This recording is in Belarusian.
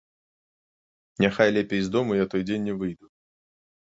Няхай лепей з дому я той дзень не выйду.